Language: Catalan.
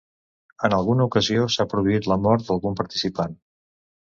En alguna ocasió s'ha produït la mort d'algun participant.